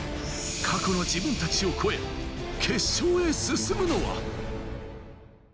過去の自分たちを超え、決勝へ進むのは？